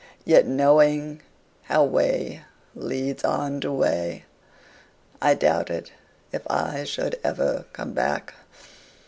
Yet knowing how way leads on to way,I doubted if I should ever come back.